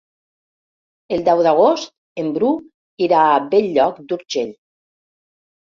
El deu d'agost en Bru irà a Bell-lloc d'Urgell.